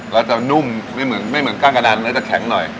แล้วจะนุ่มไม่เหมือนไม่เหมือนกล้างกระดานเนื้อจะแข็งหน่อย